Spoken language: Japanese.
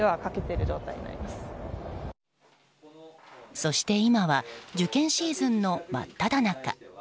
そして今は受験シーズンの真っただ中。